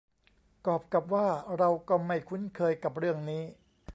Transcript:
กอปรกับว่าเราก็ไม่คุ้นเคยกับเรื่องนี้